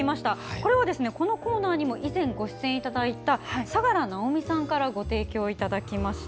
これは、このコーナーにも以前、ご出演いただいた佐良直美さんからご提供いただきました。